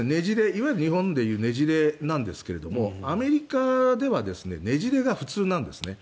いわゆる日本でいうねじれなんですがアメリカではねじれが普通なんですね。